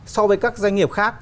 so với các doanh nghiệp khác